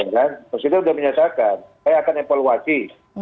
ya kan presiden sudah menyatakan saya akan evaluasi